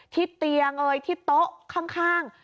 ทิศเตียงทิศโต๊ะข้าง